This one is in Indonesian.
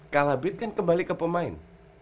kalah beat kan kembali ke pemain